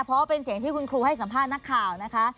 เพราะเป็นเสียงที่คุณครูให้สัมภาษณ์นักข่าวนะคะ